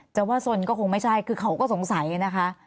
จะว่าสนก็คงไม่ใช่คือเขาก็สงสัยนะคะ